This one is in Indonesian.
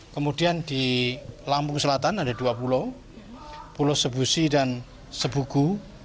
kemudian di lampung selatan ada dua pulau pulau sebusi dan sebugu